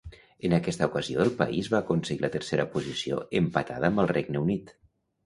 En aquesta ocasió, el país va aconseguir la tercera posició, empatada amb el Regne Unit.